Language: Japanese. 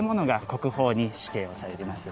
国宝に指定をされています。